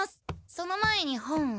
その前に本を。